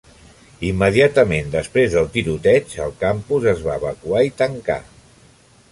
Immediatament després del tiroteig, el campus es va evacuar i tancar.